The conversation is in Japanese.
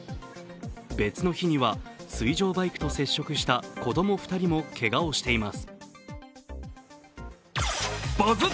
別の日には水上バイクと接触した子供２人もけがをしています。